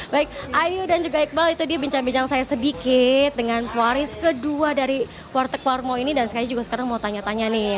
baik ayu dan juga iqbal itu dia bincang bincang saya sedikit dengan waris kedua dari warteg warmo ini dan saya juga sekarang mau tanya tanya nih